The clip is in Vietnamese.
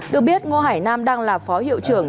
được biết ngô hải nam đang là phó hiệu trưởng